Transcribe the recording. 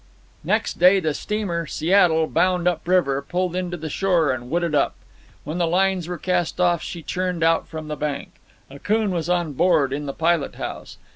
Next day the steamer Seattle, bound up river, pulled in to the shore and wooded up. When the lines were cast off and she churned out from the bank, Akoon was on board in the pilot house.